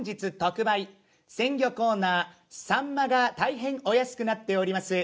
鮮魚コーナーサンマが大変お安くなっております。